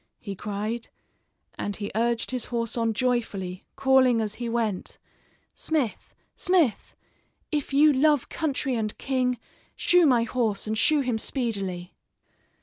he cried; and he urged his horse on joyfully, calling as he went: "Smith, smith, if you love country and king, shoe my horse, and shoe him speedily."